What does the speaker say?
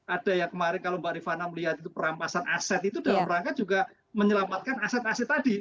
ada yang kemarin kalau mbak rifana melihat itu perampasan aset itu dalam rangka juga menyelamatkan aset aset tadi